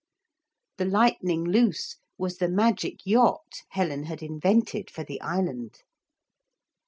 The Lightning Loose was the magic yacht Helen had invented for the island.